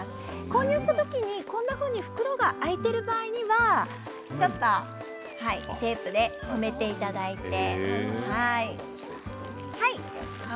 購入したときに、こんなふうに袋が開いている場合にはちょっとテープで留めていただいて。